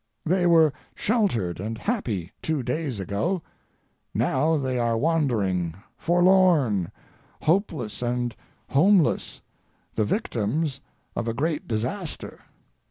They were sheltered and happy two days ago. Now they are wandering, forlorn, hopeless, and homeless, the victims of a great disaster.